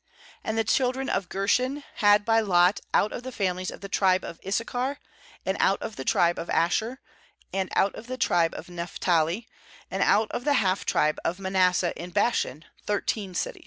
6And the children of Gershon had by lot out of the families of the tribe of Issachar, and out of the tribe of Asher, and out of the tribe erf Naph tali, and out of the half tribe of Ma nasseh in Bashan, thirteen cities.